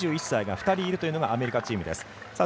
２１歳が２人いるというのがアメリカチーム。